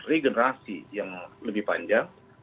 regenerasi yang lebih panjang